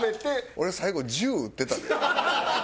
俺最後銃撃ってたで。